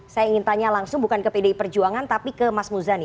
saya ingin tanya langsung bukan ke pdi perjuangan tapi ke mas muzani